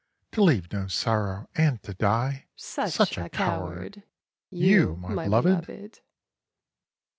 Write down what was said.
To leave no sorrow and to die ! Such a coward, you my beloved